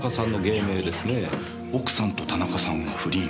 奥さんと田中さんが不倫。